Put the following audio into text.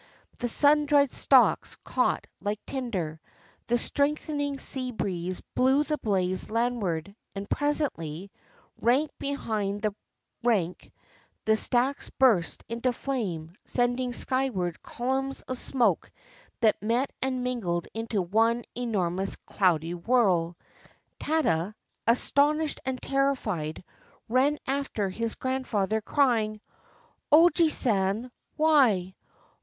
The sun dried stalks caught like tinder; the strengthening sea breeze blew the blaze landward; and presently, rank behind rank, the stacks burst into flame, sending skyward columns of smoke that met and mingled into one enor mous cloudy whirl. Tada, astonished and terrified, ran after his grandfather, crying, — "Ojiisan! why?